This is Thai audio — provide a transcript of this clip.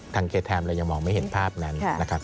ทางเกทแทมงรามองไม่เห็นภาพนั้น